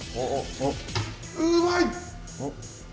うまい！